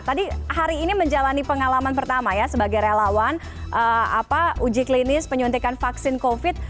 tadi hari ini menjalani pengalaman pertama ya sebagai relawan uji klinis penyuntikan vaksin covid